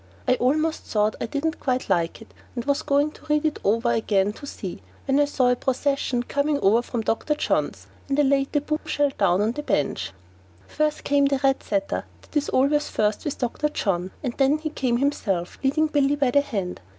I almost thought I didn't quite like it, and was going to read it over again to see, when I saw a procession coming over from Dr. John's, and I laid the bombshell down on the bench. First came the red setter that is always first with Dr. John, and then he came himself, leading Billy by the hand.